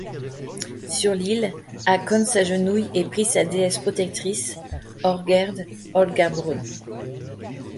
Sur l'île, Haakon s'agenouille et prie sa déesse protectrice, Þorgerðr Hǫlgabrúðr.